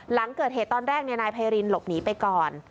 หลังเกิดเหตุตอนแรกนายไพรินหลบหนีไปก่อน